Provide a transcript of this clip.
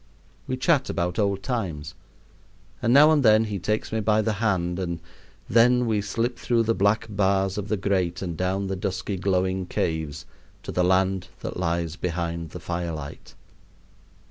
We chat about old times; and now and then he takes me by the hand, and then we slip through the black bars of the grate and down the dusky glowing caves to the land that lies behind the firelight.